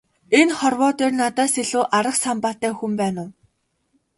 Энэ хорвоо дээр надаас илүү арга самбаатай хүн байна уу?